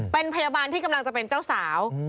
เป็นพยาบาลที่กำลังจะเป็นเจ้าสาว